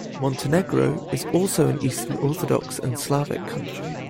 Montenegro is also an Eastern Orthodox and Slavic country.